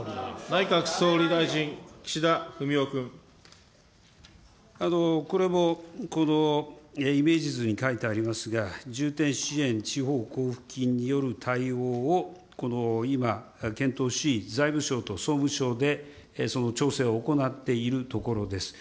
内閣総理大臣、これもこのイメージ図に書いてありますが、重点支援地方交付金による対応を今、検討し、財務省と総務省でその調整を行っているところです。